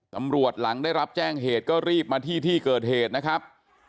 หลังได้รับแจ้งเหตุก็รีบมาที่ที่เกิดเหตุนะครับ